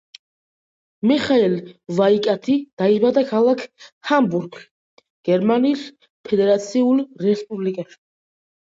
მიხაელ ვაიკათი დაიბადა ქალაქ ჰამბურგში, გერმანიის ფედერაციულ რესპუბლიკაში.